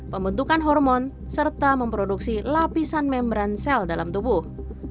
pembentukan hormon serta memproduksi lapisan membran sel dalam tubuh